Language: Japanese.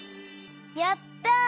やった！